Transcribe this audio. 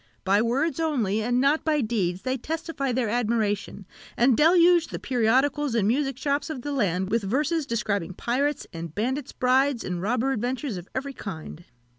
By words only, and not by deeds, they testify their admiration, and deluge the periodicals and music shops of the land with verses describing pirates' and bandits' brides, and robber adventures of every kind.